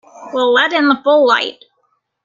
We'll let in the full light.